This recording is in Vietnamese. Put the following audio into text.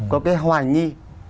có cái hoài nghi